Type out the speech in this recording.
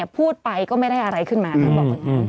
พูดไปก็ไม่ได้อะไรขึ้นมาท่านบอกแบบนั้น